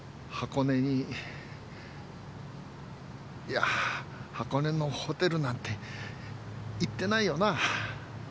いや箱根のホテルなんて行ってないよな？